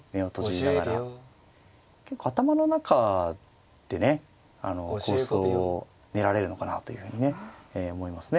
結構頭の中でね構想を練られるのかなというふうにね思いますね。